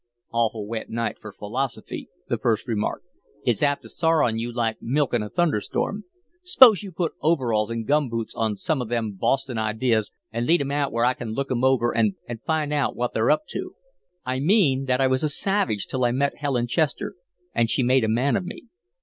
"Awful wet night for philosophy," the first remarked. "It's apt to sour on you like milk in a thunder storm. S'pose you put overalls an' gum boots on some of them Boston ideas an' lead 'em out where I can look 'em over an' find out what they're up to." "I mean that I was a savage till I met Helen Chester and she made a man of me.